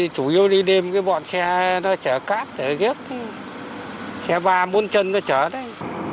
chủ yếu đi đêm cái bọn xe nó chở cát chở ghép xe va bốn chân nó chở đấy